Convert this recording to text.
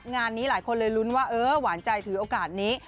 งานนี้หลายคนเลยลุ้นว่าเออหวานใจถือโอกาสนี้